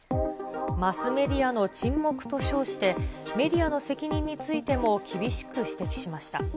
マスメディアの沈黙と称して、メディアの責任についても厳しく指摘しました。